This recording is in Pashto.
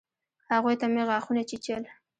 هغوى ته مې غاښونه چيچل.